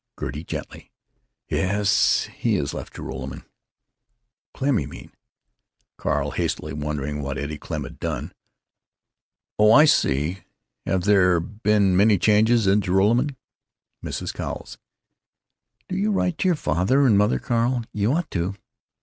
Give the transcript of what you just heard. Gertie (gently): "Yes.... He—has left Joralemon.... Klemm, you mean." Carl (hastily, wondering what Eddie Klemm had done): "Oh, I see.... Have there been many changes in Joralemon?" Mrs. Cowles: "Do you write to your father and mother, Carl? You ought to."